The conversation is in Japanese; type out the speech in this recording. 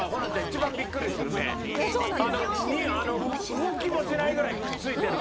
動きもしないぐらいくっついてるから。